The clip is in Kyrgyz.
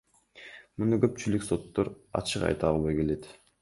Муну көпчүлүк соттор ачык айта албай келет.